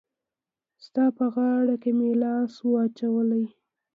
ستا په غاړه کي مي لاس وو اچولی